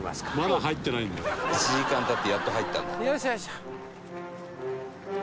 「１時間経ってやっと入ったんだ」